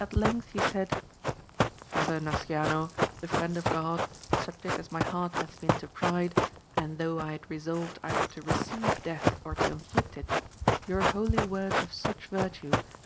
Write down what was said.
At length he said, Father Nasciano, the friend of God, subject as my heart hath been to pride, and though I had resolved either to receive death or to inflict it, your holy words have such virtue, that AMADIS OF GAUL.